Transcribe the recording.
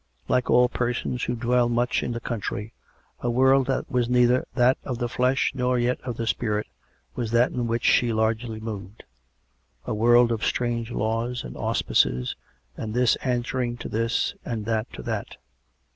Like all persons who dwell much in the country, a world that was neither that of the flesh nor yet of the spirit was that in which she largely moved — a world of strange laws, and auspices, and this answering to this and that to that.